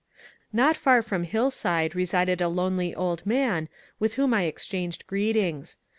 Not far from " Hillside " resided a lonely old man, with whom I exchanged greetings.